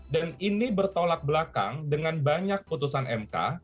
dan ini bertolak belakang dengan banyak putusan mk